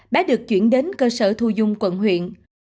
bé được chuyển đến cơ sở thu dung quận huyện